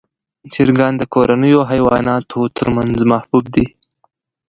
چرګان د کورنیو حیواناتو تر منځ محبوب دي.